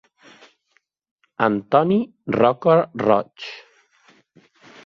Antoni Roca Roig.